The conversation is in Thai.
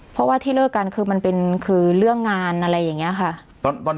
เพราะว่าที่เลิกกันคือมันเป็นคือเรื่องงานอะไรอย่างนี้ค่ะ